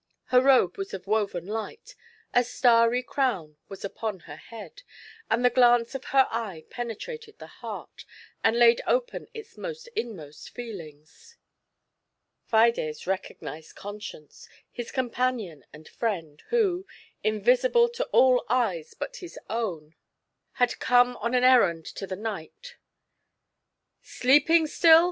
Her robe was of woven light, a starry crown was upon her head, and the glance of her eye penetrated the heart, and laid open its most inmost feelings. Fides recognized Con science, his companion and friend, who, invisible to all eyes but his own, had come on an errand to the knight. "Sleeping still!"